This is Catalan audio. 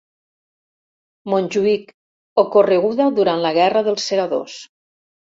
Montjuïc, ocorreguda durant la Guerra dels Segadors.